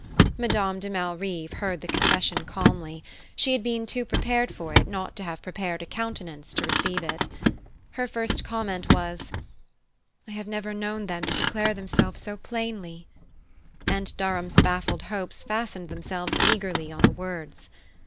Madame de Malrive heard the confession calmly; she had been too prepared for it not to have prepared a countenance to receive it. Her first comment was: "I have never known them to declare themselves so plainly " and Durham's baffled hopes fastened themselves eagerly on the words.